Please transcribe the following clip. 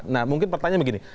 nah mungkin pertanyaannya begini